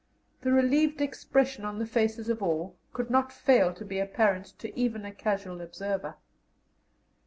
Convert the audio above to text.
The relieved expression on the faces of all could not fail to be apparent to even a casual observer.